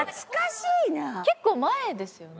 結構前ですよね。